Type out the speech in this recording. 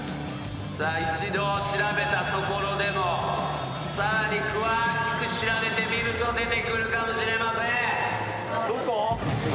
一度調べた所でもさらに詳しく調べてみると出てくるかもしれません。